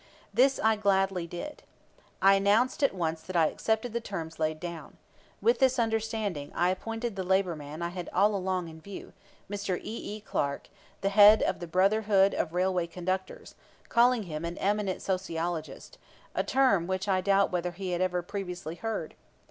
This I gladly did. I announced at once that I accepted the terms laid down. With this understanding, I appointed the labor man I had all along had in view, Mr. E. E. Clark, the head of the Brotherhood of Railway Conductors, calling him an "eminent sociologist" a term which I doubt whether he had ever previously heard.